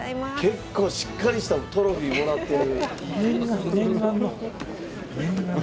結構しっかりしたトロフィーもらってる。